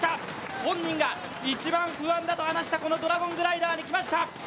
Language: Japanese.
本人が一番不安だと話したドラゴングライダーに来ました。